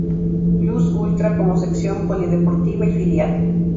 Plus Ultra como sección polideportiva y filial.